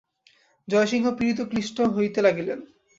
জয়সিংহ পীড়িত ক্লিষ্ট হইতে লাগিলেন।